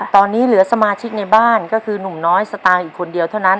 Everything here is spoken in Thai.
ตอนนี้เหลือสมาชิกในบ้านก็คือหนุ่มน้อยสตางค์อยู่คนเดียวเท่านั้น